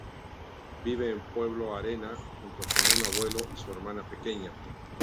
Vive en Pueblo Arena, junto con un abuelo y su hermana pequeña.